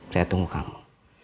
saya tunggu kamu